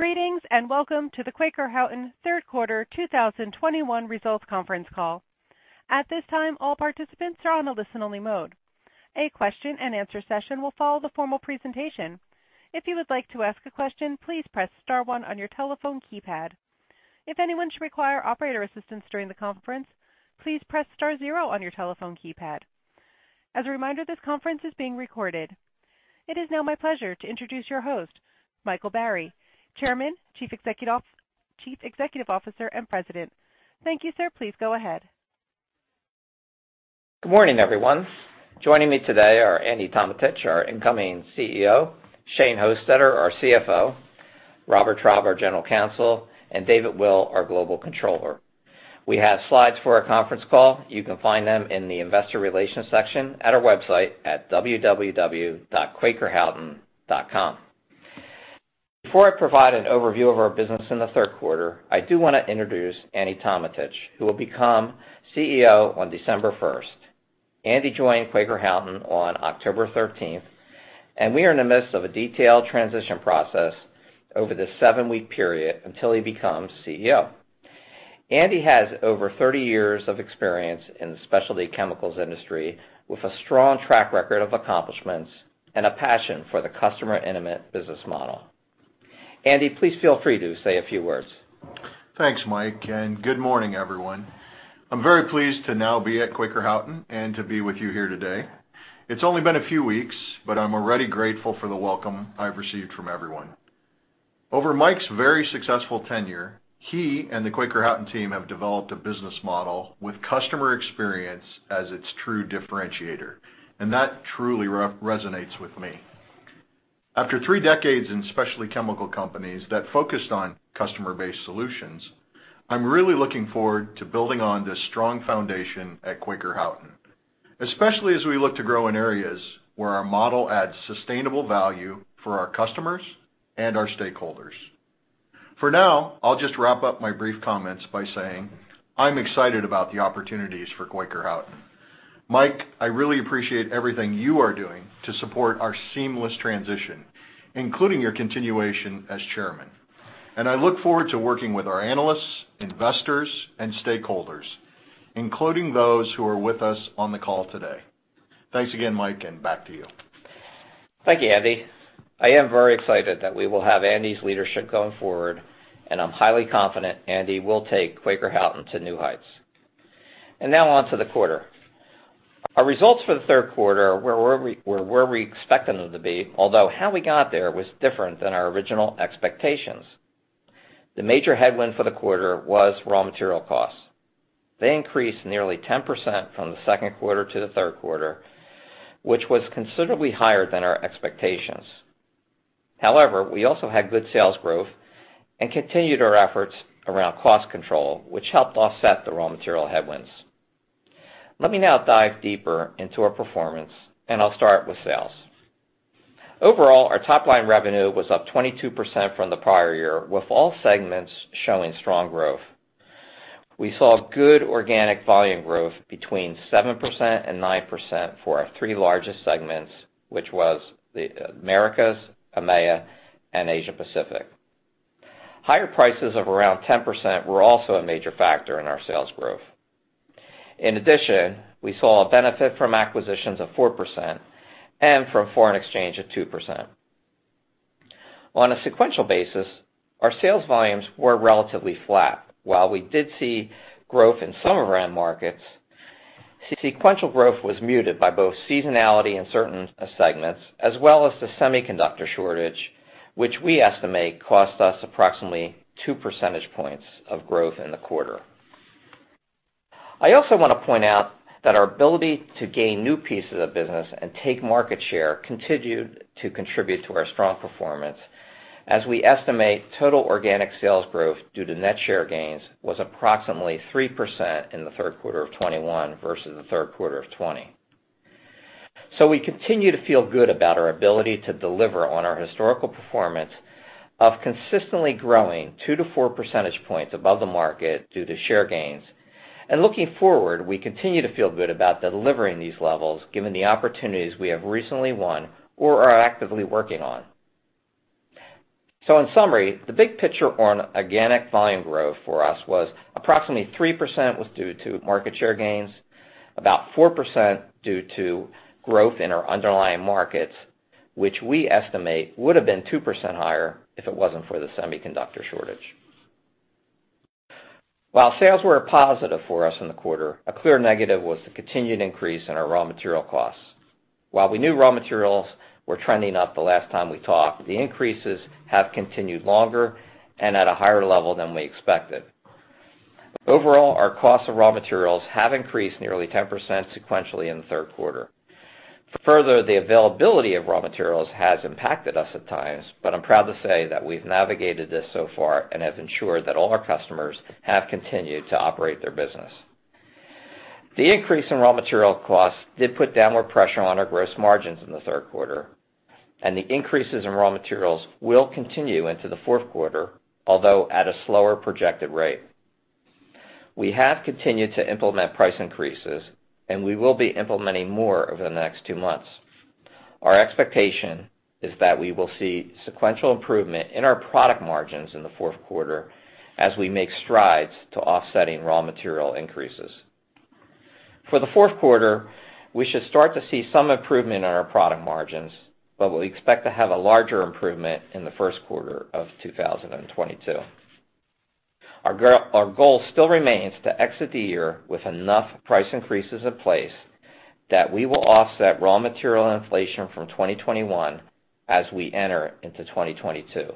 Greetings, and welcome to the Quaker Houghton third quarter 2021 results conference call. At this time, all participants are on a listen-only mode. A question-and-answer session will follow the formal presentation. If you would like to ask a question, please press star one on your telephone keypad. If anyone should require operator assistance during the conference, please press star zero on your telephone keypad. As a reminder, this conference is being recorded. It is now my pleasure to introduce your host, Michael Barry, Chairman, Chief Executive Officer, and President. Thank you, sir. Please go ahead. Good morning, everyone. Joining me today are Andy Tometich, our incoming CEO, Shane Hostetter, our CFO, Robert Traub, our General Counsel, and David Will, our Global Controller. We have slides for our conference call. You can find them in the investor relations section at our website at www.quakerhoughton.com. Before I provide an overview of our business in the third quarter, I do wanna introduce Andy Tometich, who will become CEO on December 1st. Andy joined Quaker Houghton on October 13th, and we are in the midst of a detailed transition process over this seven-week period until he becomes CEO. Andy has over 30 years of experience in the specialty chemicals industry, with a strong track record of accomplishments and a passion for the customer intimate business model. Andy, please feel free to say a few words. Thanks, Mike, and good morning, everyone. I'm very pleased to now be at Quaker Houghton and to be with you here today. It's only been a few weeks, but I'm already grateful for the welcome I've received from everyone. Over Mike's very successful tenure, he and the Quaker Houghton team have developed a business model with customer experience as its true differentiator, and that truly resonates with me. After three decades in specialty chemical companies that focused on customer-based solutions, I'm really looking forward to building on this strong foundation at Quaker Houghton, especially as we look to grow in areas where our model adds sustainable value for our customers and our stakeholders. For now, I'll just wrap up my brief comments by saying I'm excited about the opportunities for Quaker Houghton. Mike, I really appreciate everything you are doing to support our seamless transition, including your continuation as chairman. I look forward to working with our analysts, investors, and stakeholders, including those who are with us on the call today. Thanks again, Mike, and back to you. Thank you, Andy. I am very excited that we will have Andy's leadership going forward, and I'm highly confident Andy will take Quaker Houghton to new heights. Now on to the quarter. Our results for the third quarter were where we expected them to be, although how we got there was different than our original expectations. The major headwind for the quarter was raw material costs. They increased nearly 10% from the second quarter to the third quarter, which was considerably higher than our expectations. However, we also had good sales growth and continued our efforts around cost control, which helped offset the raw material headwinds. Let me now dive deeper into our performance, and I'll start with sales. Overall, our top-line revenue was up 22% from the prior year, with all segments showing strong growth. We saw good organic volume growth between 7% and 9% for our three largest segments, which was the Americas, EMEA, and Asia Pacific. Higher prices of around 10% were also a major factor in our sales growth. In addition, we saw a benefit from acquisitions of 4% and from foreign exchange of 2%. On a sequential basis, our sales volumes were relatively flat. While we did see growth in some of our end markets, sequential growth was muted by both seasonality in certain segments as well as the semiconductor shortage, which we estimate cost us approximately 2 percentage points of growth in the quarter. I also wanna point out that our ability to gain new pieces of business and take market share continued to contribute to our strong performance as we estimate total organic sales growth due to net share gains was approximately 3% in the third quarter of 2021 versus the third quarter of 2020. We continue to feel good about our ability to deliver on our historical performance of consistently growing 2 percentage points to 4 percentage points above the market due to share gains. Looking forward, we continue to feel good about delivering these levels given the opportunities we have recently won or are actively working on. In summary, the big picture on organic volume growth for us was approximately 3% was due to market share gains, about 4% due to growth in our underlying markets, which we estimate would have been 2% higher if it wasn't for the semiconductor shortage. While sales were a positive for us in the quarter, a clear negative was the continued increase in our raw material costs. While we knew raw materials were trending up the last time we talked, the increases have continued longer and at a higher level than we expected. Overall, our costs of raw materials have increased nearly 10% sequentially in the third quarter. Further, the availability of raw materials has impacted us at times, but I'm proud to say that we've navigated this so far and have ensured that all our customers have continued to operate their business. The increase in raw material costs did put downward pressure on our gross margins in the third quarter, and the increases in raw materials will continue into the fourth quarter, although at a slower projected rate. We have continued to implement price increases, and we will be implementing more over the next two months. Our expectation is that we will see sequential improvement in our product margins in the fourth quarter as we make strides toward offsetting raw material increases. For the fourth quarter, we should start to see some improvement in our product margins, but we expect to have a larger improvement in the first quarter of 2022. Our goal still remains to exit the year with enough price increases in place that we will offset raw material inflation from 2021 as we enter into 2022,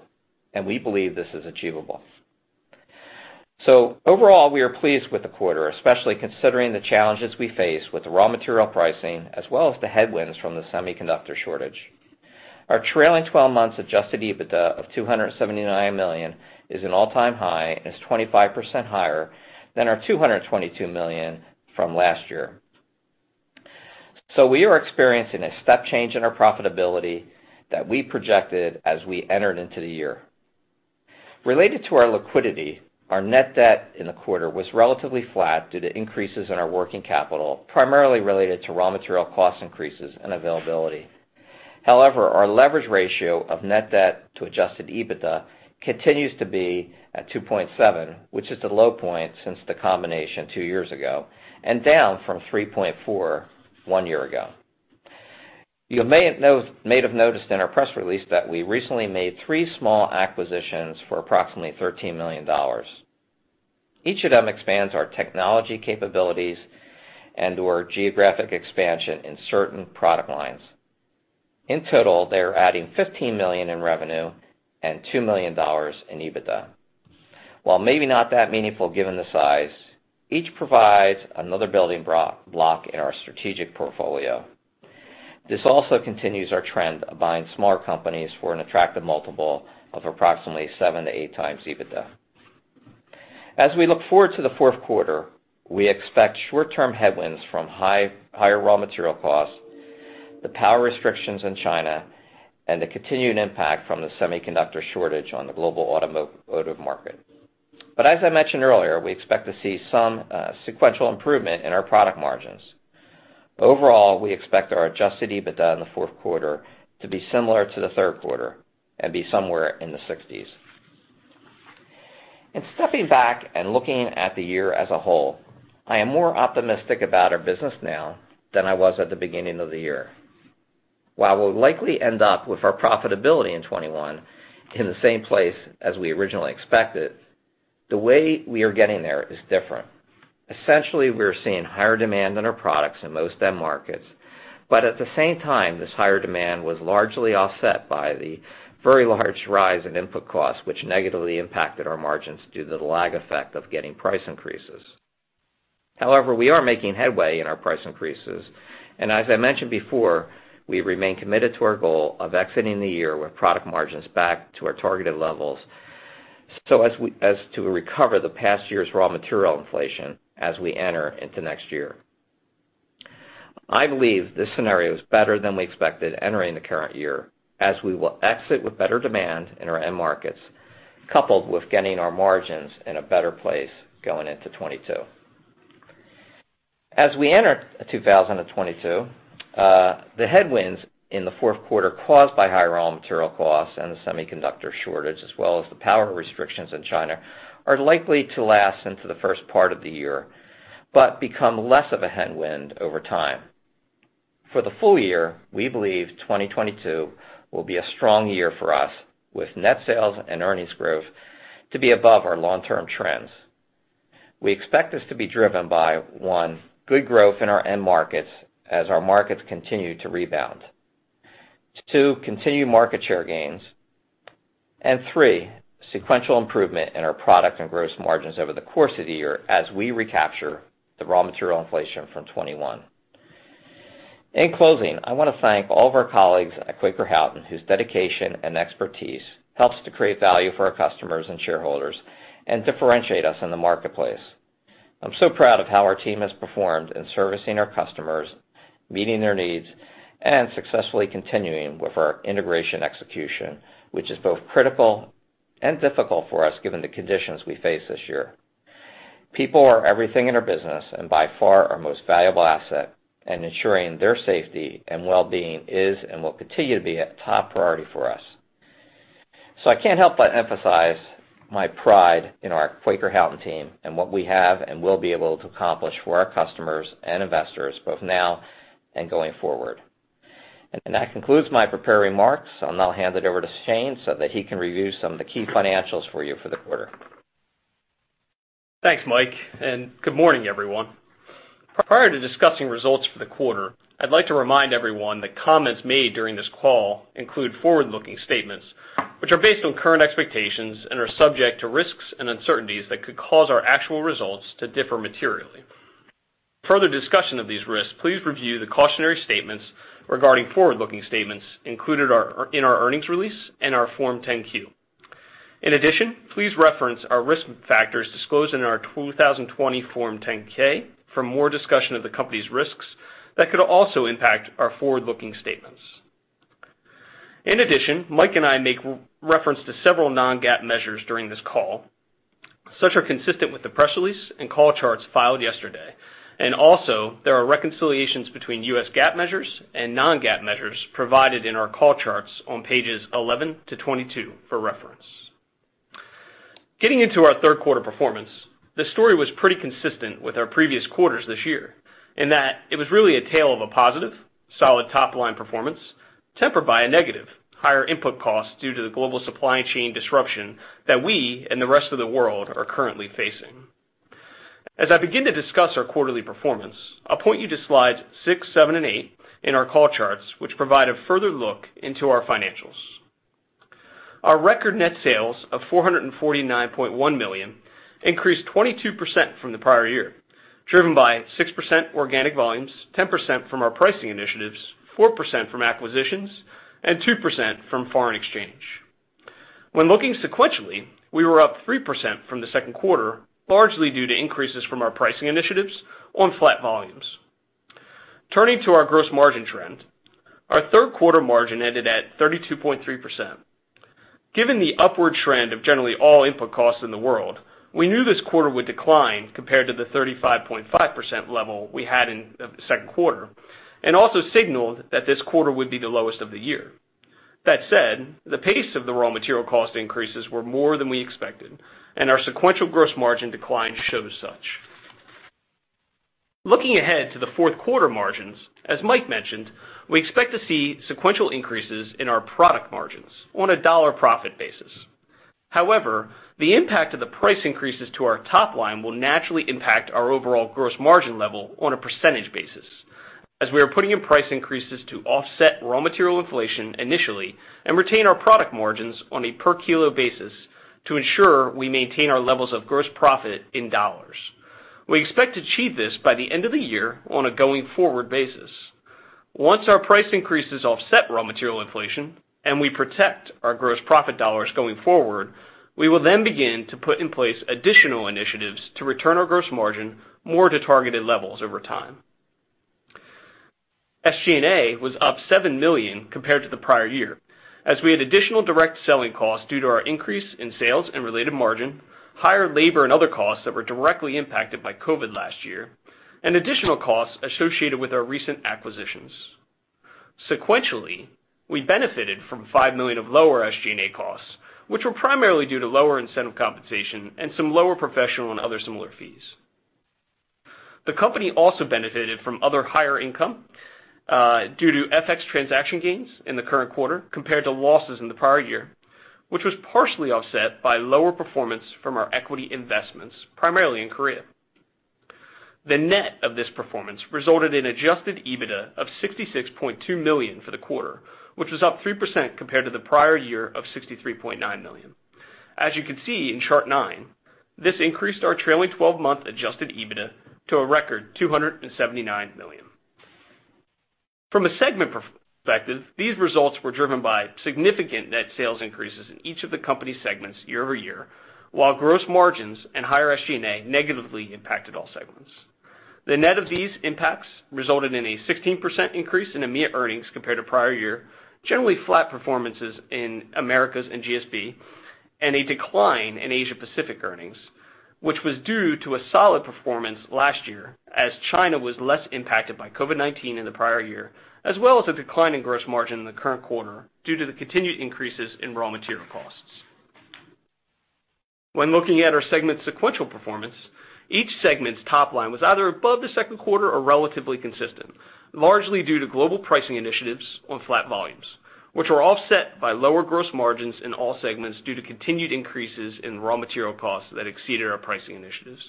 and we believe this is achievable. Overall, we are pleased with the quarter, especially considering the challenges we face with the raw material pricing as well as the headwinds from the semiconductor shortage. Our trailing twelve months adjusted EBITDA of $279 million is an all-time high and is 25% higher than our $222 million from last year. We are experiencing a step change in our profitability that we projected as we entered into the year. Related to our liquidity, our net debt in the quarter was relatively flat due to increases in our working capital, primarily related to raw material cost increases and availability. However, our leverage ratio of net debt to adjusted EBITDA continues to be at 2.7, which is the low point since the combination two years ago and down from 3.4 one year ago. You may have noticed in our press release that we recently made three small acquisitions for approximately $13 million. Each of them expands our technology capabilities and our geographic expansion in certain product lines. In total, they're adding $15 million in revenue and $2 million in EBITDA. While maybe not that meaningful, given the size, each provides another building block in our strategic portfolio. This also continues our trend of buying smaller companies for an attractive multiple of approximately 7x, 8x EBITDA. As we look forward to the fourth quarter, we expect short-term headwinds from higher raw material costs, the power restrictions in China, and the continued impact from the semiconductor shortage on the global automotive market. As I mentioned earlier, we expect to see some sequential improvement in our product margins. Overall, we expect our adjusted EBITDA in the fourth quarter to be similar to the third quarter and be somewhere in the 60s. In stepping back and looking at the year as a whole, I am more optimistic about our business now than I was at the beginning of the year. While we'll likely end up with our profitability in 2021 in the same place as we originally expected, the way we are getting there is different. Essentially, we are seeing higher demand in our products in most end markets. At the same time, this higher demand was largely offset by the very large rise in input costs, which negatively impacted our margins due to the lag effect of getting price increases. However, we are making headway in our price increases, and as I mentioned before, we remain committed to our goal of exiting the year with product margins back to our targeted levels, so as to recover the past year's raw material inflation as we enter into next year. I believe this scenario is better than we expected entering the current year, as we will exit with better demand in our end markets, coupled with getting our margins in a better place going into 2022. As we enter 2022, the headwinds in the fourth quarter caused by higher raw material costs and the semiconductor shortage, as well as the power restrictions in China, are likely to last into the first part of the year, but become less of a headwind over time. For the full year, we believe 2022 will be a strong year for us, with net sales and earnings growth to be above our long-term trends. We expect this to be driven by, one, good growth in our end markets as our markets continue to rebound. Two, continued market share gains. And three, sequential improvement in our product and gross margins over the course of the year as we recapture the raw material inflation from 2021. In closing, I want to thank all of our colleagues at Quaker Houghton, whose dedication and expertise helps to create value for our customers and shareholders and differentiate us in the marketplace. I'm so proud of how our team has performed in servicing our customers, meeting their needs, and successfully continuing with our integration execution, which is both critical and difficult for us, given the conditions we face this year. People are everything in our business and by far our most valuable asset, and ensuring their safety and well-being is and will continue to be a top priority for us. I can't help but emphasize my pride in our Quaker Houghton team and what we have and will be able to accomplish for our customers and investors, both now and going forward. That concludes my prepared remarks. I'll now hand it over to Shane so that he can review some of the key financials for you for the quarter. Thanks, Mike, and good morning, everyone. Prior to discussing results for the quarter, I'd like to remind everyone that comments made during this call include forward-looking statements, which are based on current expectations and are subject to risks and uncertainties that could cause our actual results to differ materially. For further discussion of these risks, please review the cautionary statements regarding forward-looking statements included in our earnings release and our Form 10-Q. In addition, please reference our risk factors disclosed in our 2020 Form 10-K for more discussion of the company's risks that could also impact our forward-looking statements. In addition, Mike and I make reference to several non-GAAP measures during this call. Such are consistent with the press release and call charts filed yesterday. Also there are reconciliations between US GAAP measures and non-GAAP measures provided in our call charts on pages 11-22 for reference. Getting into our third quarter performance, the story was pretty consistent with our previous quarters this year in that it was really a tale of a positive solid top-line performance tempered by a negative higher input cost due to the global supply chain disruption that we and the rest of the world are currently facing. As I begin to discuss our quarterly performance, I'll point you to slides six, seven, and eight in our call charts, which provide a further look into our financials. Our record net sales of $449.1 million increased 22% from the prior year, driven by 6% organic volumes, 10% from our pricing initiatives, 4% from acquisitions, and 2% from foreign exchange. When looking sequentially, we were up 3% from the second quarter, largely due to increases from our pricing initiatives on flat volumes. Turning to our gross margin trend, our third quarter margin ended at 32.3%. Given the upward trend of generally all input costs in the world, we knew this quarter would decline compared to the 35.5% level we had in the second quarter, and also signaled that this quarter would be the lowest of the year. That said, the pace of the raw material cost increases were more than we expected, and our sequential gross margin decline shows such. Looking ahead to the fourth quarter margins, as Mike mentioned, we expect to see sequential increases in our product margins on a dollar profit basis. However, the impact of the price increases to our top line will naturally impact our overall gross margin level on a percentage basis as we are putting in price increases to offset raw material inflation initially and retain our product margins on a per kilo basis to ensure we maintain our levels of gross profit in dollars. We expect to achieve this by the end of the year on a going-forward basis. Once our price increases offset raw material inflation and we protect our gross profit dollars going forward, we will then begin to put in place additional initiatives to return our gross margin more to targeted levels over time. SG&A was up $7 million compared to the prior year as we had additional direct selling costs due to our increase in sales and related margin, higher labor and other costs that were directly impacted by COVID last year, and additional costs associated with our recent acquisitions. Sequentially, we benefited from $5 million of lower SG&A costs, which were primarily due to lower incentive compensation and some lower professional and other similar fees. The company also benefited from other higher income due to FX transaction gains in the current quarter compared to losses in the prior year, which was partially offset by lower performance from our equity investments, primarily in Korea. The net of this performance resulted in adjusted EBITDA of $66.2 million for the quarter, which was up 3% compared to the prior year of $63.9 million. As you can see in chart nine, this increased our trailing twelve-month adjusted EBITDA to a record $279 million. From a segment perspective, these results were driven by significant net sales increases in each of the company segments year-over-year, while gross margins and higher SG&A negatively impacted all segments. The net of these impacts resulted in a 16% increase in EMEA earnings compared to prior year, generally flat performances in Americas and GSB, and a decline in Asia Pacific earnings, which was due to a solid performance last year as China was less impacted by COVID-19 in the prior year, as well as a decline in gross margin in the current quarter due to the continued increases in raw material costs. When looking at our segment sequential performance, each segment's top line was either above the second quarter or relatively consistent, largely due to global pricing initiatives on flat volumes, which were offset by lower gross margins in all segments due to continued increases in raw material costs that exceeded our pricing initiatives.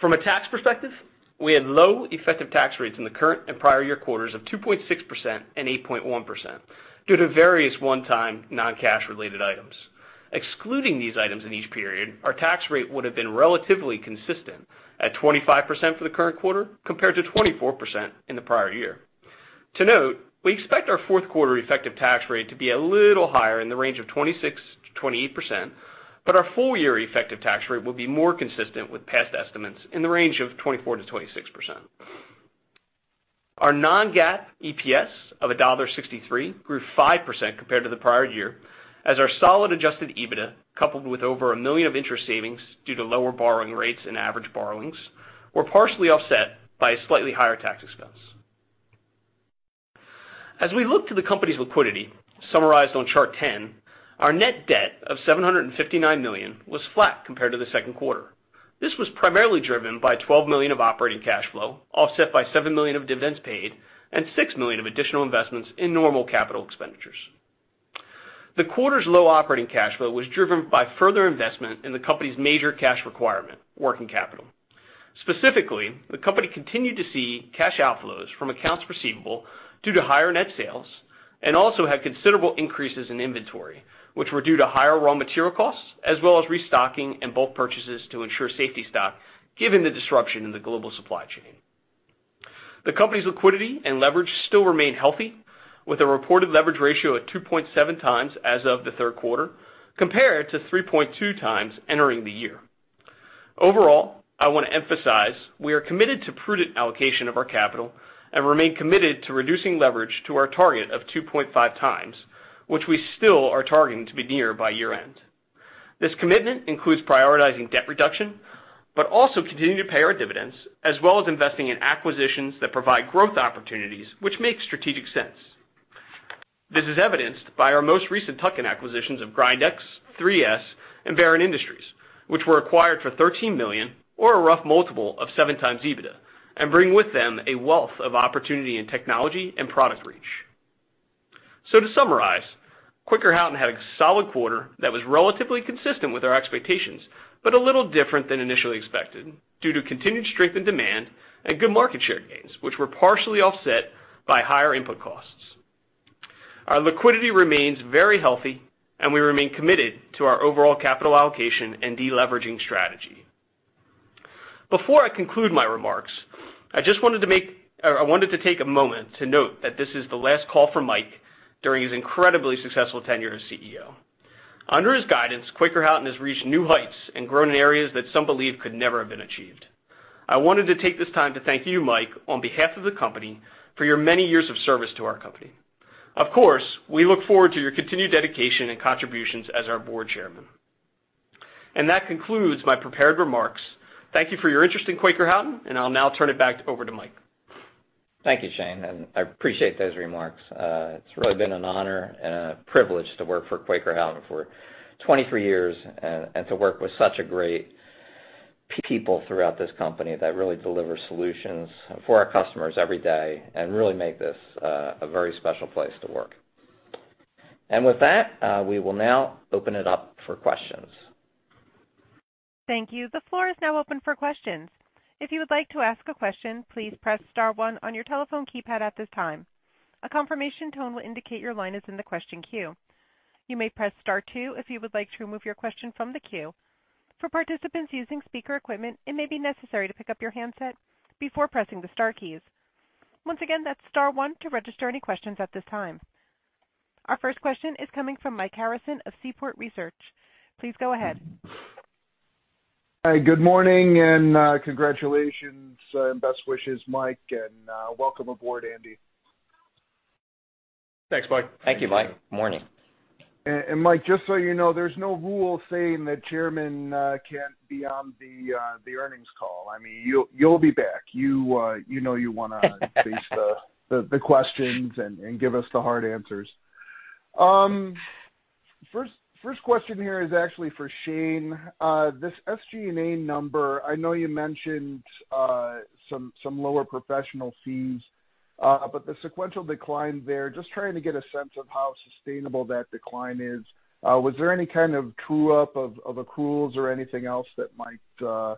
From a tax perspective, we had low effective tax rates in the current and prior year quarters of 2.6% and 8.1% due to various one-time non-cash related items. Excluding these items in each period, our tax rate would have been relatively consistent at 25% for the current quarter compared to 24% in the prior year. To note, we expect our fourth quarter effective tax rate to be a little higher in the range of 26%-28%, but our full year effective tax rate will be more consistent with past estimates in the range of 24%-26%. Our non-GAAP EPS of $1.63 grew 5% compared to the prior year as our solid adjusted EBITDA, coupled with over $1 million of interest savings due to lower borrowing rates and average borrowings, were partially offset by a slightly higher tax expense. As we look to the company's liquidity, summarized on chart 10, our net debt of $759 million was flat compared to the second quarter. This was primarily driven by $12 million of operating cash flow, offset by $7 million of dividends paid and $6 million of additional investments in normal capital expenditures. The quarter's low operating cash flow was driven by further investment in the company's major cash requirement, working capital. Specifically, the company continued to see cash outflows from accounts receivable due to higher net sales and also had considerable increases in inventory, which were due to higher raw material costs as well as restocking and bulk purchases to ensure safety stock, given the disruption in the global supply chain. The company's liquidity and leverage still remain healthy, with a reported leverage ratio at 2.7x as of the third quarter, compared to 3.2x entering the year. Overall, I wanna emphasize we are committed to prudent allocation of our capital and remain committed to reducing leverage to our target of 2.5x, which we still are targeting to be near by year-end. This commitment includes prioritizing debt reduction, but also continuing to pay our dividends, as well as investing in acquisitions that provide growth opportunities which make strategic sense. This is evidenced by our most recent tuck-in acquisitions of Grindaix, 3S, and Baron Industries, which were acquired for $13 million, or a rough multiple of 7x EBITDA, and bring with them a wealth of opportunity in technology and product reach. To summarize, Quaker Houghton had a solid quarter that was relatively consistent with our expectations, but a little different than initially expected due to continued strength in demand and good market share gains, which were partially offset by higher input costs. Our liquidity remains very healthy, and we remain committed to our overall capital allocation and deleveraging strategy. Before I conclude my remarks, I wanted to take a moment to note that this is the last call for Mike during his incredibly successful tenure as CEO. Under his guidance, Quaker Houghton has reached new heights and grown in areas that some believe could never have been achieved. I wanted to take this time to thank you, Mike, on behalf of the company, for your many years of service to our company. Of course, we look forward to your continued dedication and contributions as our Board Chairman. That concludes my prepared remarks. Thank you for your interest in Quaker Houghton, and I'll now turn it back over to Mike. Thank you, Shane, and I appreciate those remarks. It's really been an honor and a privilege to work for Quaker Houghton for 23 years and to work with such a great people throughout this company that really deliver solutions for our customers every day and really make this a very special place to work. With that, we will now open it up for questions. Thank you. The floor is now open for questions. If you would like to ask a question, please press star one on your telephone keypad at this time. A confirmation tone will indicate your line is in the question queue. You may press star two if you would like to remove your question from the queue. For participants using speaker equipment, it may be necessary to pick up your handset before pressing the star keys. Once again, that's star one to register any questions at this time. Our first question is coming from Mike Harrison of Seaport Research Partners. Please go ahead. Hi, good morning and, congratulations and best wishes, Mike, and, welcome aboard, Andy. Thanks, Mike. Thank you, Mike. Morning. Mike, just so you know, there's no rule saying that Chairman can't be on the earnings call. I mean, you'll be back. You know you want to face the questions and give us the hard answers. First question here is actually for Shane. This SG&A number, I know you mentioned some lower professional fees, but the sequential decline there, just trying to get a sense of how sustainable that decline is. Was there any kind of true-up of accruals or anything else that might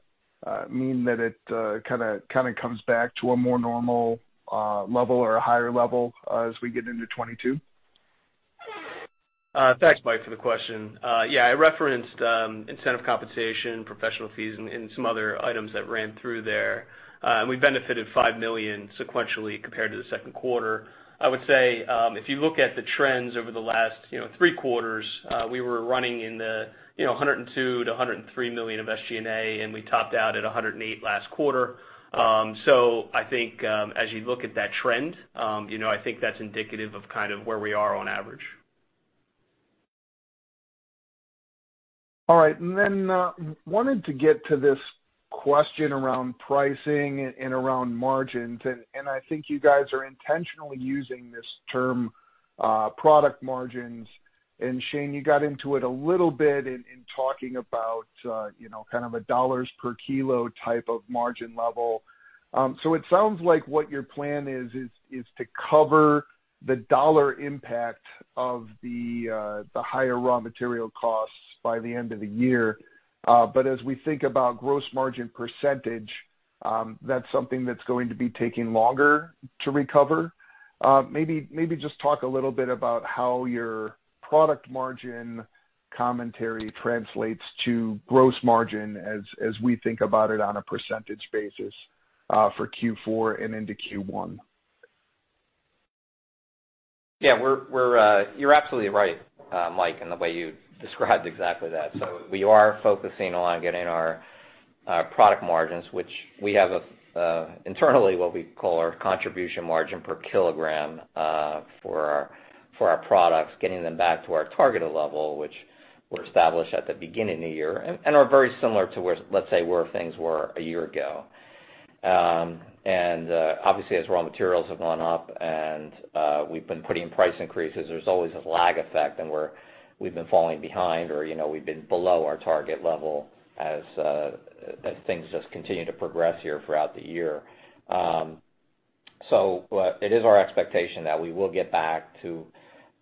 mean that it kinda comes back to a more normal level or a higher level as we get into 2022? Thanks, Mike, for the question. Yeah, I referenced incentive compensation, professional fees, and some other items that ran through there. We benefited $5 million sequentially compared to the second quarter. I would say, if you look at the trends over the last, you know, three quarters, we were running in the, you know, $102 million-$103 million of SG&A, and we topped out at $108 million last quarter. I think, as you look at that trend, you know, I think that's indicative of kind of where we are on average. All right. Wanted to get to this question around pricing and around margins. I think you guys are intentionally using this term, product margins. Shane, you got into it a little bit in talking about, you know, kind of a dollars per kilo type of margin level. It sounds like what your plan is to cover the dollar impact of the higher raw material costs by the end of the year. As we think about gross margin percentage, that's something that's going to be taking longer to recover. Maybe just talk a little bit about how your product margin commentary translates to gross margin as we think about it on a percentage basis for Q4 and into Q1. Yeah. You're absolutely right, Mike, in the way you described exactly that. We are focusing on getting our product margins, which we have internally, what we call our contribution margin per kilogram, for our products, getting them back to our targeted level, which were established at the beginning of the year and are very similar to where, let's say, where things were a year ago. Obviously, as raw materials have gone up and we've been putting price increases, there's always this lag effect, and we've been falling behind or, you know, we've been below our target level as things just continue to progress here throughout the year. It is our expectation that we will get back to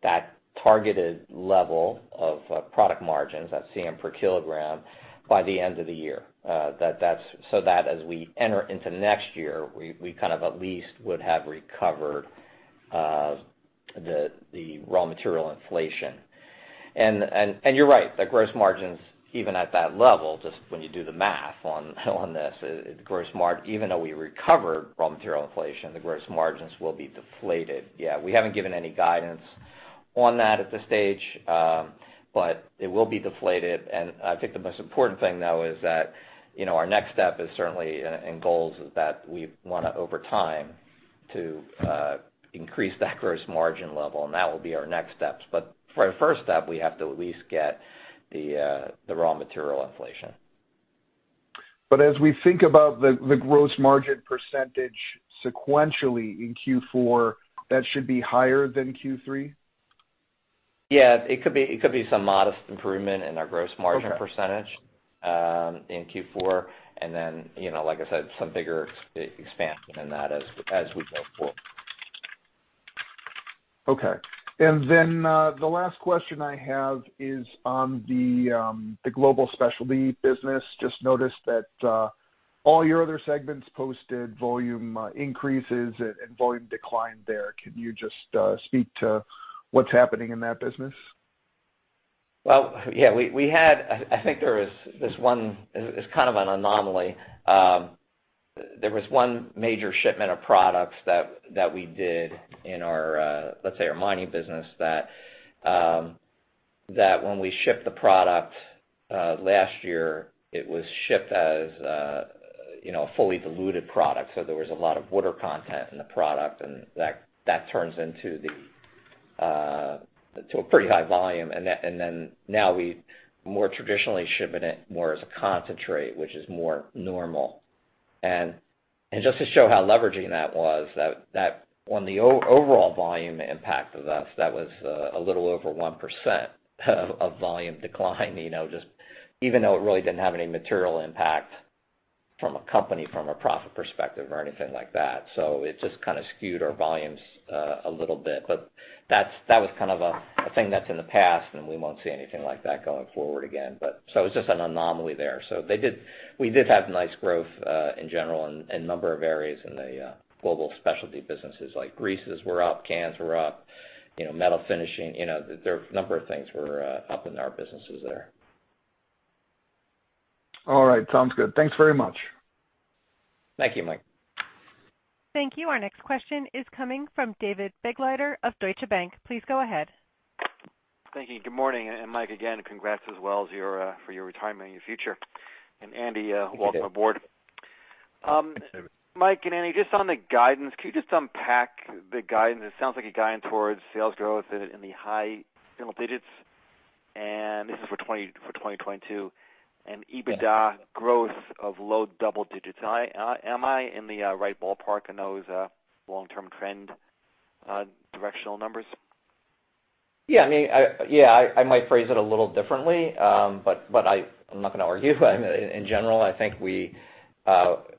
that targeted level of product margins, that CM per kilogram, by the end of the year so that as we enter into next year, we kind of at least would have recovered the raw material inflation. You're right, the gross margins, even at that level, just when you do the math on this, even though we recover raw material inflation, the gross margins will be deflated. Yeah, we haven't given any guidance on that at this stage. It will be deflated. I think the most important thing though is that, you know, our next step is certainly our goals is that we wanna over time to increase that gross margin level, and that will be our next steps. For our first step, we have to at least get the raw material inflation. As we think about the gross margin percentage sequentially in Q4, that should be higher than Q3? Yeah. It could be some modest improvement in our gross margin. Okay ... percentage in Q4. You know, like I said, some bigger expansion in that as we go forward. Okay. The last question I have is on the global specialty business. Just noticed that all your other segments posted volume increases and volume declined there. Can you just speak to what's happening in that business? Well, yeah. We had. I think there was this one. It's kind of an anomaly. There was one major shipment of products that we did in our, let's say our mining business that when we shipped the product last year, it was shipped as you know, a fully diluted product. So there was a lot of water content in the product, and that turns into to a pretty high volume. Now we more traditionally shipping it more as a concentrate, which is more normal. Just to show how leveraging that was, that when the overall volume impact for us, that was a little over 1% of volume decline, you know, just even though it really didn't have any material impact from a profit perspective or anything like that. It just kind of skewed our volumes a little bit. That was kind of a thing that's in the past, and we won't see anything like that going forward again. It's just an anomaly there. We did have nice growth in general and a number of areas in the global specialty businesses like greases were up, cans were up, you know, metal finishing. You know, there are a number of things were up in our businesses there. All right, sounds good. Thanks very much. Thank you, Mike. Thank you. Our next question is coming from David Begleiter of Deutsche Bank. Please go ahead. Thank you. Good morning. Mike, again, congrats as well as for your retirement and your future. Andy, Thank you, David. Welcome aboard. Thanks, David. Mike and Andy, just on the guidance, can you just unpack the guidance? It sounds like you're guiding towards sales growth in the high single digits, and this is for 2020, for 2022, and EBITDA growth of low double digits. Am I in the right ballpark in those long-term trend directional numbers? Yeah. I mean, I might phrase it a little differently, but I am not gonna argue. In general, I think we,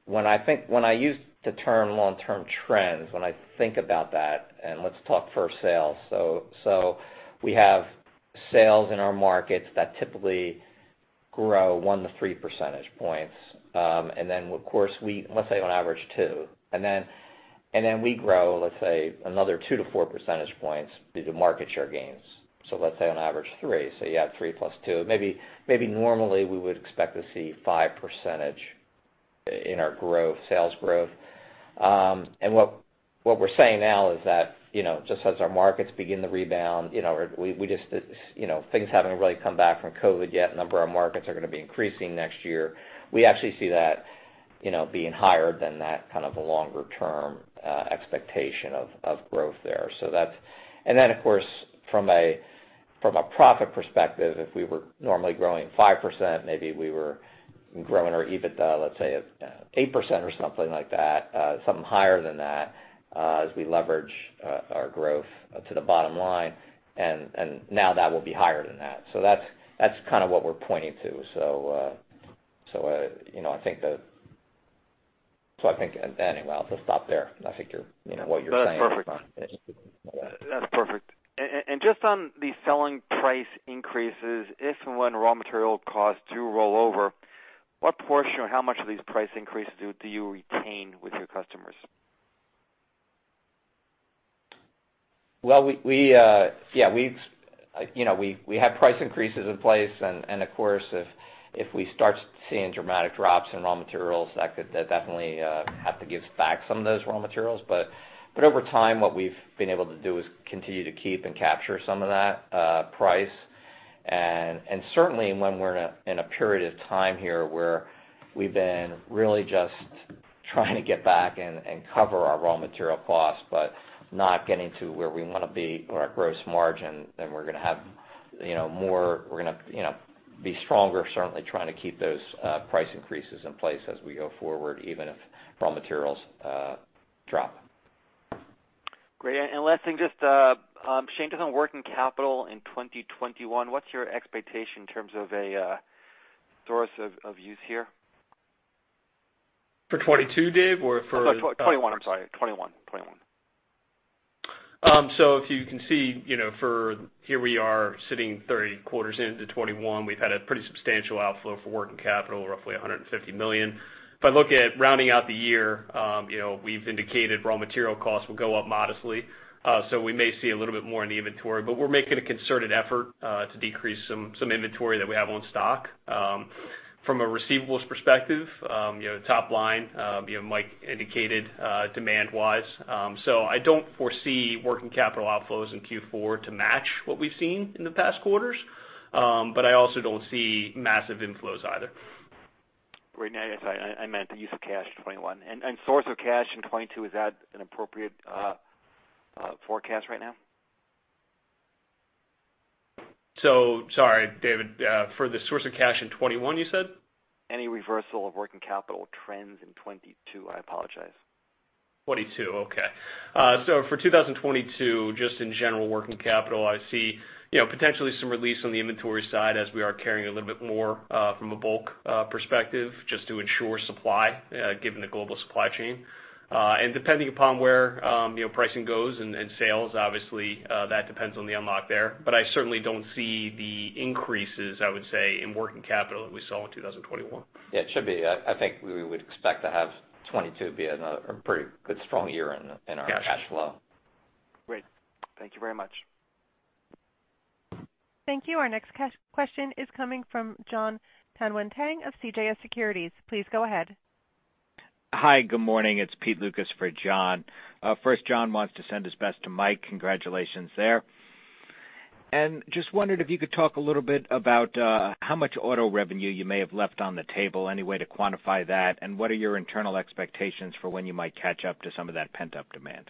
when I think when I use the term long-term trends, when I think about that, and let's talk first sales. So we have sales in our markets that typically grow 1-3 percentage points. And then of course we, let's say on average 2. And then we grow, let's say, another 2 percentage points to 4 percentage points due to market share gains. So let's say on average 3. So you have 3 + 2. Maybe normally we would expect to see 5% in our growth, sales growth. What we're saying now is that, you know, just as our markets begin to rebound, you know, or we just, you know, things haven't really come back from COVID yet. A number of our markets are gonna be increasing next year. We actually see that, you know, being higher than that kind of a longer term expectation of growth there. That's. Then of course, from a profit perspective, if we were normally growing 5%, maybe we were growing our EBITDA, let's say at 8% or something like that, something higher than that, as we leverage our growth to the bottom line. Now that will be higher than that. That's kind of what we're pointing to. You know, I think. Anyway, I'll just stop there. I think you're, you know, what you're saying is fine. That's perfect. Yeah. That's perfect. Just on the selling price increases, if and when raw material costs do roll over, what portion or how much of these price increases do you retain with your customers? Well, yeah, you know, we have price increases in place and of course, if we start seeing dramatic drops in raw materials, that could definitely have to give back some of those raw materials. Over time, what we've been able to do is continue to keep and capture some of that price. Certainly when we're in a period of time here where we've been really just trying to get back and cover our raw material costs, but not getting to where we wanna be or our gross margin, then we're gonna have, you know, more, we're gonna, you know, be stronger certainly trying to keep those price increases in place as we go forward, even if raw materials drop. Great. Last thing, just, Shane, just on working capital in 2021, what's your expectation in terms of a source of use here? For 2022, Dave, or for- Sorry, 2021. I'm sorry. 2021. If you can see, you know, for here we are sitting three quarters into 2021. We've had a pretty substantial outflow for working capital, roughly $150 million. If I look at rounding out the year, you know, we've indicated raw material costs will go up modestly, so we may see a little bit more in the inventory. We're making a concerted effort to decrease some inventory that we have on stock. From a receivables perspective, you know, top line, you know, Mike indicated, demand wise. I don't foresee working capital outflows in Q4 to match what we've seen in the past quarters. I also don't see massive inflows either. Right. Now, yes, I meant the use of cash in 2021. Source of cash in 2022, is that an appropriate forecast right now? Sorry, David, for the source of cash in 2021, you said? Any reversal of working capital trends in 2022. I apologize. 2022, okay. For 2022, just in general working capital, I see, you know, potentially some release on the inventory side as we are carrying a little bit more, from a bulk perspective just to ensure supply, given the global supply chain. Depending upon where, you know, pricing goes and sales, obviously, that depends on the unlock there. I certainly don't see the increases, I would say, in working capital that we saw in 2021. Yeah, it should be. I think we would expect to have 2022 be another a pretty good strong year in our cash flow. Great. Thank you very much. Thank you. Our next question is coming from Jon Tanwanteng of CJS Securities. Please go ahead. Hi, good morning. It's Pete Lukas for Jon. First Jon wants to send his best to Mike. Congratulations there. Just wondered if you could talk a little bit about how much auto revenue you may have left on the table. Any way to quantify that? What are your internal expectations for when you might catch up to some of that pent-up demand?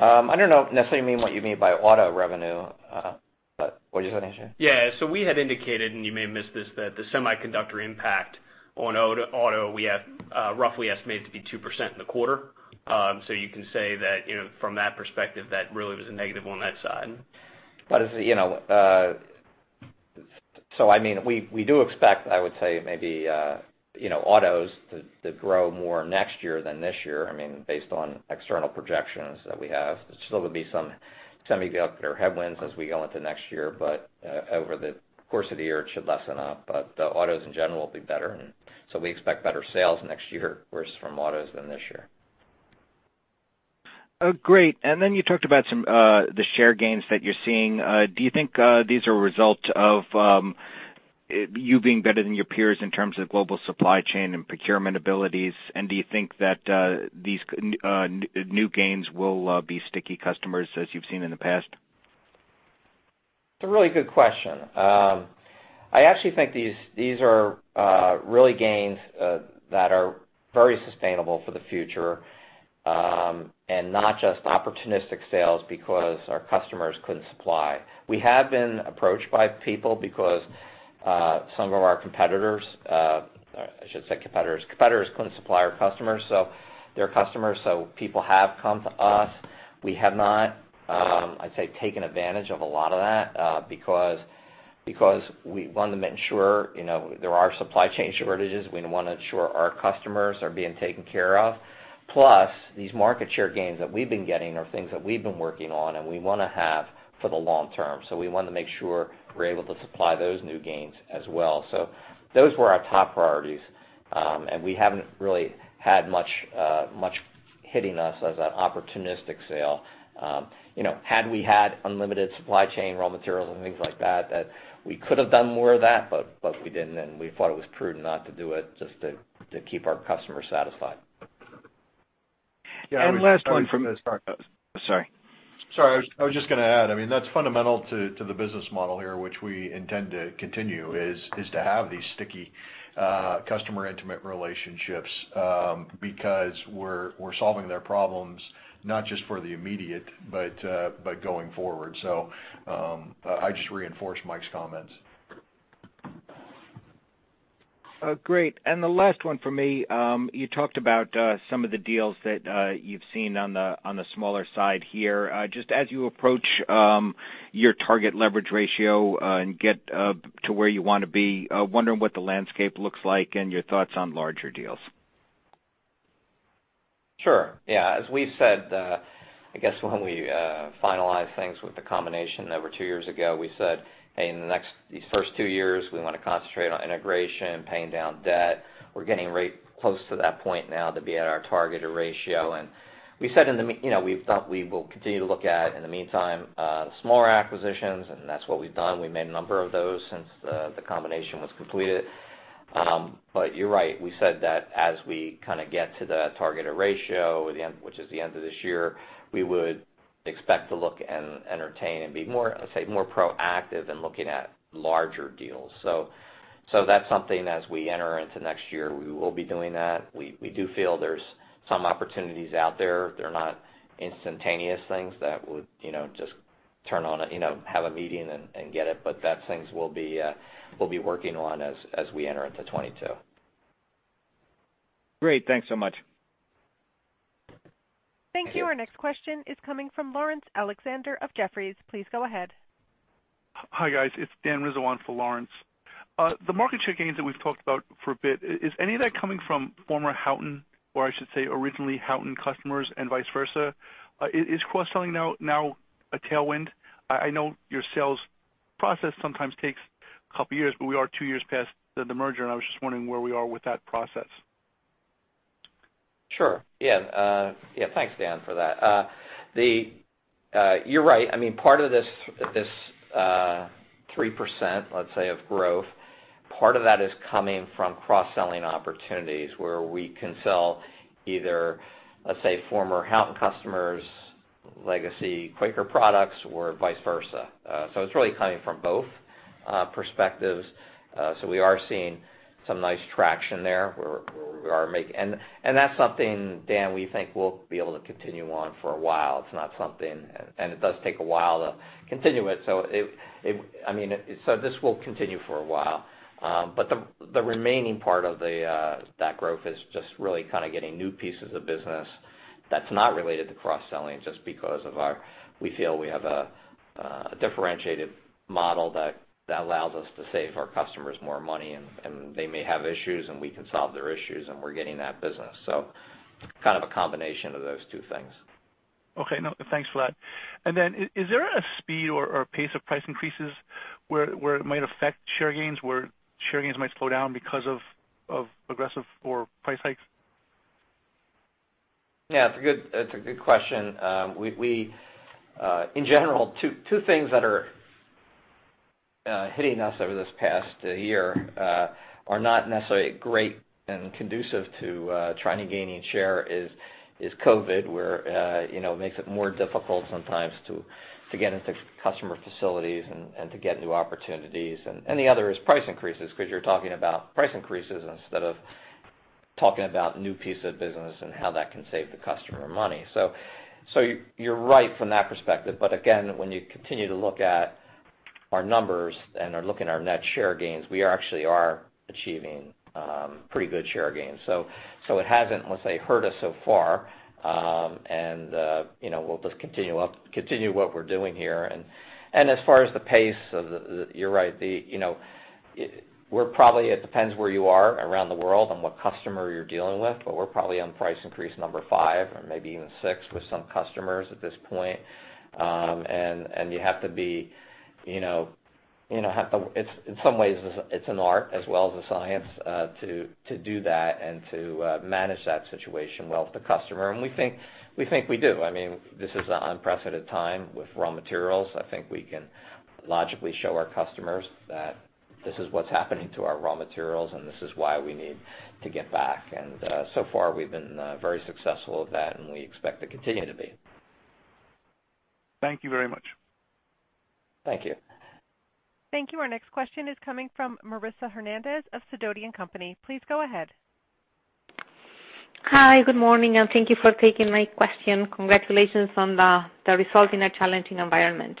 I don't necessarily know what you mean by auto revenue. What did you say, Shane? We had indicated, and you may have missed this, that the semiconductor impact on auto. Auto we have roughly estimated to be 2% in the quarter. You can say that, you know, from that perspective, that really was a negative on that side. You know, so I mean, we do expect, I would say maybe, you know, autos to grow more next year than this year, I mean, based on external projections that we have. There still will be some semiconductor headwinds as we go into next year, but over the course of the year, it should lessen up. Autos in general will be better, and so we expect better sales next year versus from autos than this year. Oh, great. You talked about some of the share gains that you're seeing. Do you think these are a result of you being better than your peers in terms of global supply chain and procurement abilities? Do you think that these new gains will be sticky customers as you've seen in the past? It's a really good question. I actually think these are real gains that are very sustainable for the future and not just opportunistic sales because our competitors couldn't supply. We have been approached by people because some of our competitors, I should say competitors, couldn't supply our customers, so their customers, so people have come to us. We have not, I'd say, taken advantage of a lot of that because we want to make sure, you know, there are supply chain shortages. We wanna ensure our customers are being taken care of. Plus, these market share gains that we've been getting are things that we've been working on and we wanna have for the long term. We want to make sure we're able to supply those new gains as well. Those were our top priorities, and we haven't really had much hitting us as an opportunistic sale. You know, had we had unlimited supply chain, raw materials, and things like that we could have done more of that, but we didn't, and we thought it was prudent not to do it just to keep our customers satisfied. Last one from Yeah. Sorry. Sorry, I was just gonna add, I mean, that's fundamental to the business model here, which we intend to continue, is to have these sticky customer intimate relationships, because we're solving their problems, not just for the immediate but going forward. I just reinforce Mike's comments. Great. The last one for me, you talked about some of the deals that you've seen on the smaller side here. Just as you approach your target leverage ratio and get to where you wanna be, wondering what the landscape looks like and your thoughts on larger deals? Sure. Yeah, as we've said, I guess when we finalized things with the combination over two years ago, we said, "Hey, in these first two years, we wanna concentrate on integration, paying down debt." We're getting right close to that point now to be at our targeted ratio. We said you know, we thought we will continue to look at, in the meantime, smaller acquisitions, and that's what we've done. We've made a number of those since the combination was completed. You're right. We said that as we kind of get to the targeted ratio at the end, which is the end of this year, we would expect to look and entertain and be more, let's say, more proactive in looking at larger deals. That's something as we enter into next year, we will be doing that. We do feel there's some opportunities out there. They're not instantaneous things that would, you know, just turn on a, you know, have a meeting and get it, but that's things we'll be working on as we enter into 2022. Great. Thanks so much. Thank you. Our next question is coming from Laurence Alexander of Jefferies. Please go ahead. Hi, guys. It's Dan Rizzo for Laurence. The market share gains that we've talked about for a bit, is any of that coming from former Houghton, or I should say originally Houghton customers and vice versa? Is cross-selling now a tailwind? I know your sales process sometimes takes a couple years, but we are two years past the merger, and I was just wondering where we are with that process. Sure. Yeah. Thanks, Dan, for that. You're right. I mean, part of this 3%, let's say, of growth, part of that is coming from cross-selling opportunities where we can sell either, let's say, former Houghton customers legacy Quaker products or vice versa. It's really coming from both perspectives. We are seeing some nice traction there. That's something, Dan, we think we'll be able to continue on for a while. It does take a while to continue it. I mean, this will continue for a while. The remaining part of that growth is just really kind of getting new pieces of business that's not related to cross-selling just because we feel we have a differentiated model that allows us to save our customers more money, and they may have issues, and we can solve their issues, and we're getting that business. Kind of a combination of those two things. Okay. No, thanks for that. Is there a speed or pace of price increases where it might affect share gains, where share gains might slow down because of aggressive price hikes? Yeah, it's a good question. We, in general, two things that are hitting us over this past year are not necessarily great and conducive to trying to gain share is COVID, where you know makes it more difficult sometimes to get into customer facilities and to get new opportunities. The other is price increases because you're talking about price increases instead of talking about new pieces of business and how that can save the customer money. You're right from that perspective. Again, when you continue to look at our numbers and are looking at our net share gains, we are actually achieving pretty good share gains. It hasn't, let's say, hurt us so far. You know, we'll just continue up, continue what we're doing here. As far as the pace, you're right. It depends where you are around the world and what customer you're dealing with, but we're probably on price increase number five or maybe even six with some customers at this point. It's in some ways an art as well as a science to do that and to manage that situation well with the customer. We think we do. I mean, this is an unprecedented time with raw materials. I think we can logically show our customers that this is what's happening to our raw materials, and this is why we need to get back. So far we've been very successful at that, and we expect to continue to be. Thank you very much. Thank you. Thank you. Our next question is coming from Marisa Hernandez of Sidoti & Company. Please go ahead. Hi, good morning, and thank you for taking my question. Congratulations on the result in a challenging environment.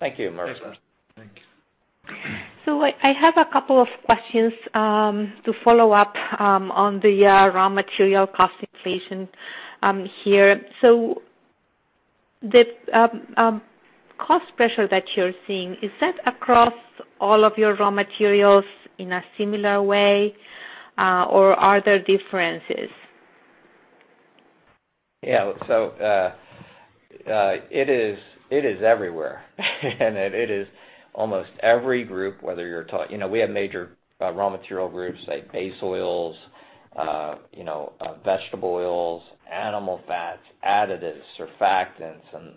Thank you, Marisa. Thank you. Thanks. I have a couple of questions to follow up on the raw material cost inflation here. The cost pressure that you're seeing, is that across all of your raw materials in a similar way, or are there differences? Yeah. It is everywhere. It is almost every group. You know, we have major raw material groups like base oils, you know, vegetable oils, animal fats, additives, surfactants, and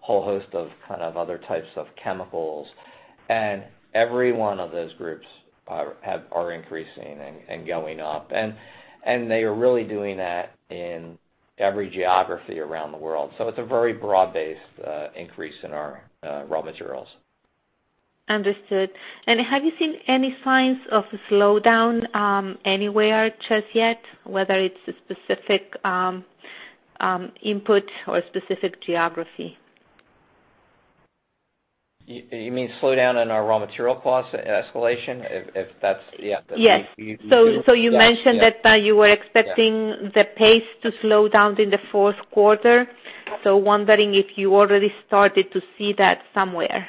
whole host of kind of other types of chemicals. Every one of those groups are increasing and going up. They are really doing that in every geography around the world. It's a very broad-based increase in our raw materials. Understood. Have you seen any signs of a slowdown, anywhere just yet, whether it's a specific input or a specific geography? You mean slowdown in our raw material costs escalation? If that's, yeah. Yes. You do. You mentioned that you were expecting the pace to slow down in the fourth quarter. Wondering if you already started to see that somewhere?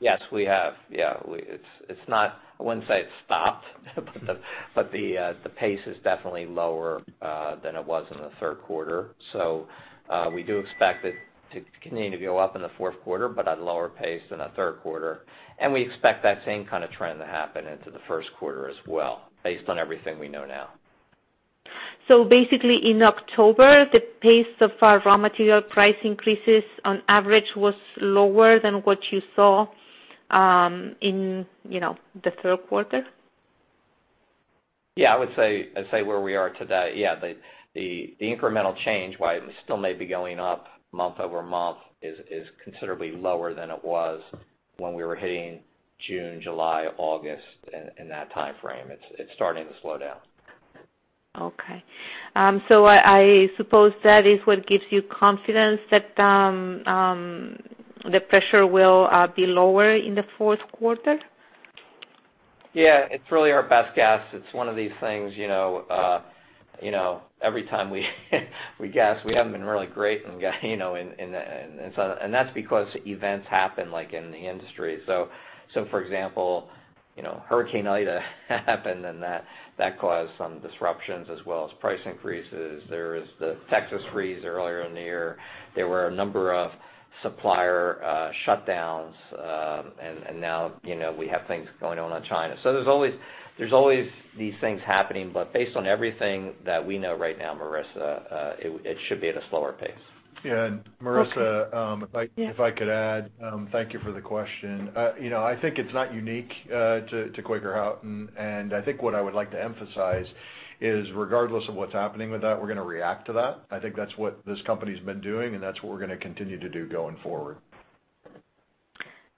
Yes, we have. Yeah. It's not, I wouldn't say it's stopped, but the pace is definitely lower than it was in the third quarter. We do expect it to continue to go up in the fourth quarter, but at a lower pace than the third quarter. We expect that same kind of trend to happen into the first quarter as well, based on everything we know now. Basically in October, the pace of raw material price increases on average was lower than what you saw in, you know, the third quarter? Yeah. I would say where we are today, yeah, the incremental change, while it still may be going up month-over-month, is considerably lower than it was when we were hitting June, July, August, in that timeframe. It's starting to slow down. Okay. I suppose that is what gives you confidence that the pressure will be lower in the fourth quarter? Yeah, it's really our best guess. It's one of these things, you know, every time we guess, we haven't been really great in guessing, you know, in the industry. That's because events happen, like in the industry. For example, you know, Hurricane Ida happened, and that caused some disruptions as well as price increases. There is the Texas freeze earlier in the year. There were a number of supplier shutdowns. Now, you know, we have things going on in China. There's always these things happening. Based on everything that we know right now, Marisa, it should be at a slower pace. Yeah. Marisa- Okay. Yeah If I could add, thank you for the question. You know, I think it's not unique to Quaker Houghton, and I think what I would like to emphasize is, regardless of what's happening with that, we're gonna react to that. I think that's what this company's been doing, and that's what we're gonna continue to do going forward.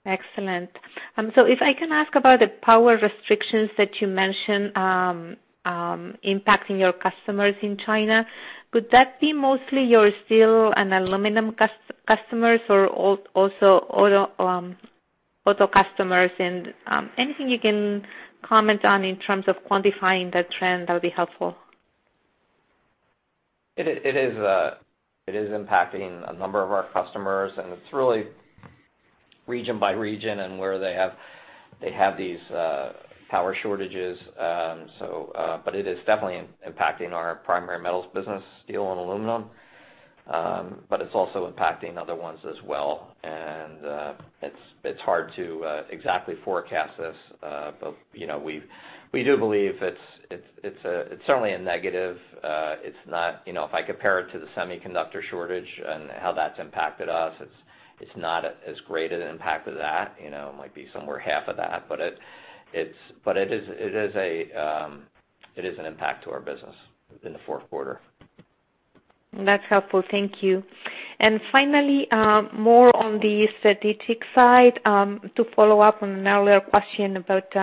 Excellent. So if I can ask about the power restrictions that you mentioned, impacting your customers in China, could that be mostly your steel and aluminum customers or also auto customers? Anything you can comment on in terms of quantifying the trend, that would be helpful. It is impacting a number of our customers, and it's really region by region and where they have these power shortages. It is definitely impacting our primary metals business, steel and aluminum. It's also impacting other ones as well. It's hard to exactly forecast this, but you know, we do believe it's certainly a negative. It's not, you know, if I compare it to the semiconductor shortage and how that's impacted us, it's not as great an impact as that. You know, it might be somewhere half of that. It is an impact to our business in the fourth quarter. That's helpful. Thank you. Finally, more on the strategic side, to follow-up on an earlier question about,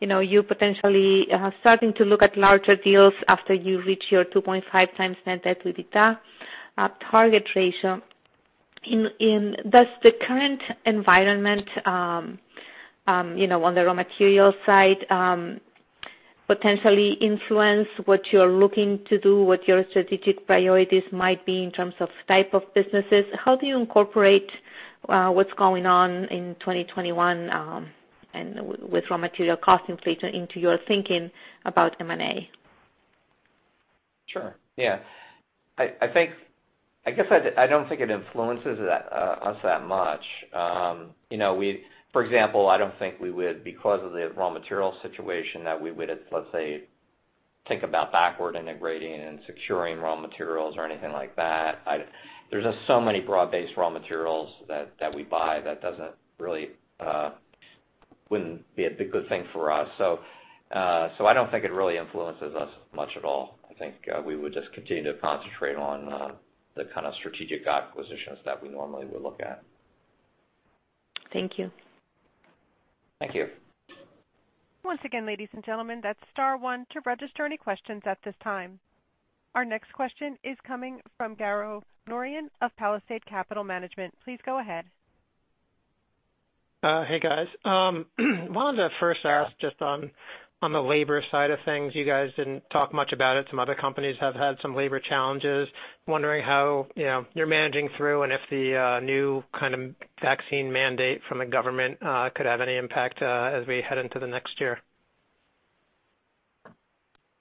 you know, you potentially starting to look at larger deals after you reach your 2.5x net debt to EBITDA target ratio. Does the current environment, you know, on the raw material side, potentially influence what you're looking to do, what your strategic priorities might be in terms of type of businesses? How do you incorporate, what's going on in 2021, and with raw material cost inflation into your thinking about M&A? Sure, yeah. I think I guess I don't think it influences us that much. You know, for example, I don't think we would, because of the raw material situation, that we would, let's say, think about backward integrating and securing raw materials or anything like that. There's just so many broad-based raw materials that we buy that wouldn't be a big, good thing for us. I don't think it really influences us much at all. I think we would just continue to concentrate on the kind of strategic acquisitions that we normally would look at. Thank you. Thank you. Once again, ladies and gentlemen, that's star one to register any questions at this time. Our next question is coming from Garo Norian of Palisade Capital Management. Please go ahead. Hey, guys. Wanted to first ask just on the labor side of things. You guys didn't talk much about it. Some other companies have had some labor challenges. Wondering how, you know, you're managing through, and if the new kind of vaccine mandate from the government could have any impact as we head into the next year.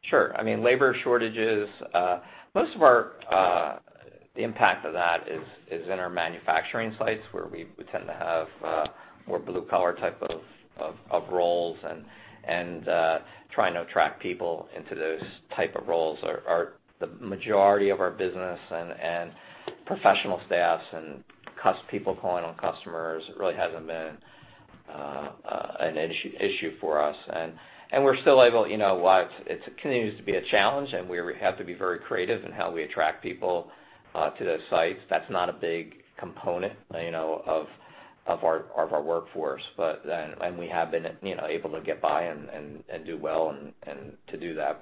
Sure. I mean, labor shortages, most of our, the impact of that is in our manufacturing sites, where we tend to have more blue collar type of roles and trying to attract people into those type of roles are the majority of our business and professional staffs and people calling on customers, it really hasn't been an issue for us. We're still able, you know, while it continues to be a challenge, and we have to be very creative in how we attract people to those sites, that's not a big component, you know, of our workforce. We have been, you know, able to get by and do well and to do that.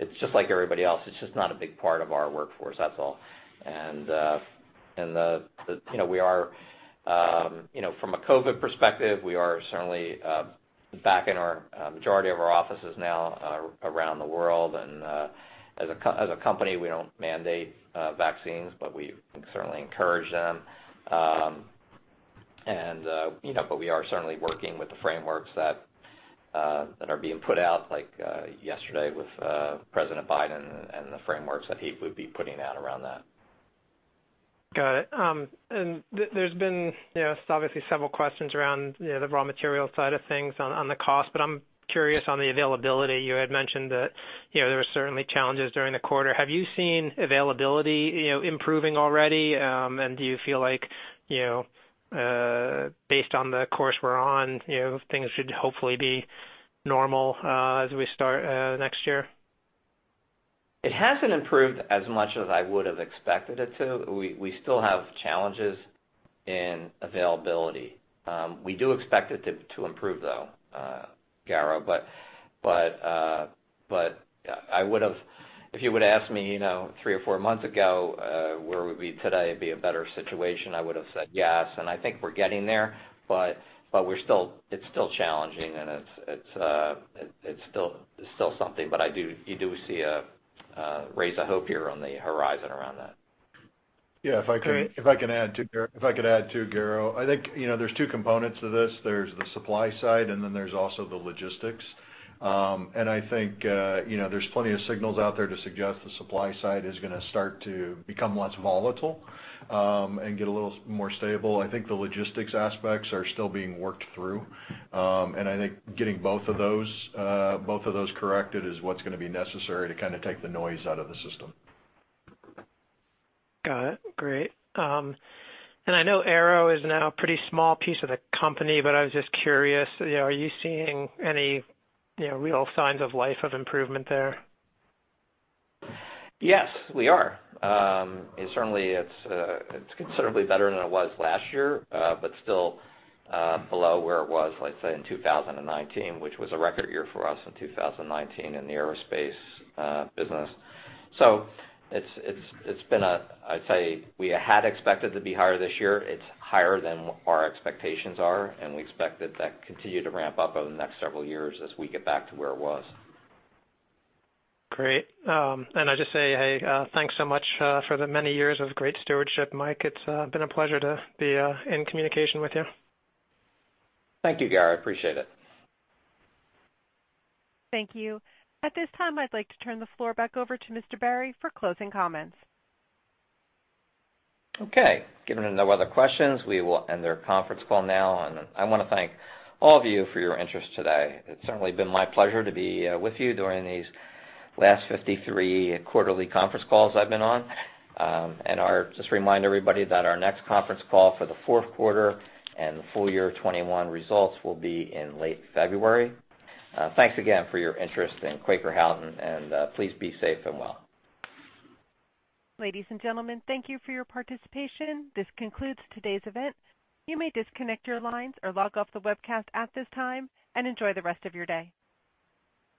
It's just like everybody else. It's just not a big part of our workforce, that's all. You know, we are you know from a COVID perspective, we are certainly back in our majority of our offices now around the world. As a company, we don't mandate vaccines, but we certainly encourage them. You know, but we are certainly working with the frameworks that that are being put out, like yesterday with President Biden and the frameworks that he would be putting out around that. Got it. There's been, you know, obviously several questions around, you know, the raw material side of things on the cost, but I'm curious on the availability. You had mentioned that, you know, there were certainly challenges during the quarter. Have you seen availability, you know, improving already? Do you feel like, you know, based on the course we're on, you know, things should hopefully be normal as we start next year? It hasn't improved as much as I would have expected it to. We still have challenges in availability. We do expect it to improve though, Garo. I would have, if you would've asked me, you know, three or four months ago, where would we be today, it'd be a better situation, I would've said yes. I think we're getting there, but we're still. It's still challenging, and it's still something. You do see a ray of hope here on the horizon around that. Great. If I could add too, Garo. I think, you know, there's two components to this. There's the supply side, and then there's also the logistics. I think you know, there's plenty of signals out there to suggest the supply side is gonna start to become less volatile, and get a little more stable. I think the logistics aspects are still being worked through. I think getting both of those corrected is what's gonna be necessary to kinda take the noise out of the system. Got it. Great. I know Aero is now a pretty small piece of the company, but I was just curious, you know, are you seeing any, you know, real signs of life of improvement there? Yes, we are. It's certainly considerably better than it was last year, but still below where it was, let's say, in 2019, which was a record year for us in 2019 in the aerospace business. I'd say we had expected to be higher this year. It's higher than our expectations are, and we expect that continue to ramp up over the next several years as we get back to where it was. Great. I just say, hey, thanks so much for the many years of great stewardship, Mike. It's been a pleasure to be in communication with you. Thank you, Garo. I appreciate it. Thank you. At this time, I'd like to turn the floor back over to Mr. Barry for closing comments. Okay. Given no other questions, we will end our conference call now. I wanna thank all of you for your interest today. It's certainly been my pleasure to be with you during these last 53 quarterly conference calls I've been on. Just remind everybody that our next conference call for the fourth quarter and the full year 2021 results will be in late February. Thanks again for your interest in Quaker Houghton, and please be safe and well. Ladies and gentlemen, thank you for your participation. This concludes today's event. You may disconnect your lines or log off the webcast at this time, and enjoy the rest of your day.